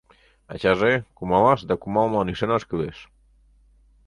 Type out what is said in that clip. Ачаже, кумалаш да кумалмылан ӱшанаш кӱлеш.